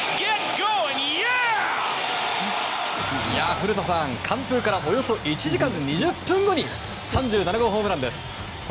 古田さん、完封からおよそ１時間２０分後に３７号ホームランです。